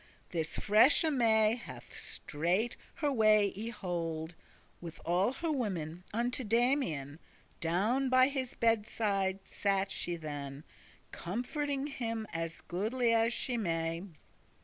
This freshe May hath straight her way y hold, With all her women, unto Damian. Down by his beddes side sat she than,* *then Comforting him as goodly as she may.